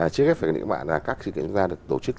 chưa ghép phải nghĩ mạng là các sự kiện chúng ta được tổ chức